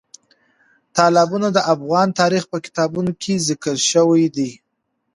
تالابونه د افغان تاریخ په کتابونو کې ذکر شوی دي.